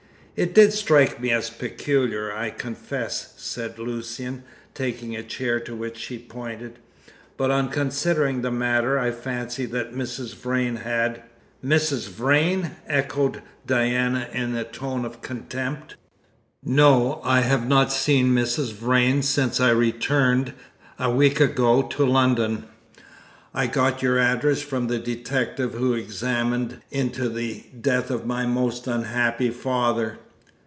"It did strike me as peculiar, I confess," said Lucian, taking a chair to which she pointed, "but on considering the matter I fancied that Mrs. Vrain had " "Mrs. Vrain!" echoed Diana in a tone of contempt. "No! I have not seen Mrs. Vrain since I returned, a week ago, to London. I got your address from the detective who examined into the death of my most unhappy father."